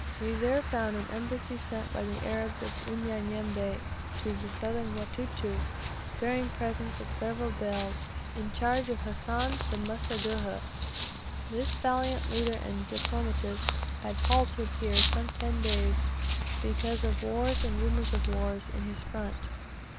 We there found an embassy sent by the Arabs of Unyanyembe, to the Southern Watuta, bearing presents of several bales, in charge of Hassan the Mseguhha. This valiant leader and diplomatist had halted here some ten days because of wars and rumours of wars in his front.